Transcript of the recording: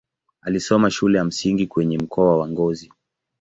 Alisoma shule ya msingi kwenye mkoa wa Ngozi.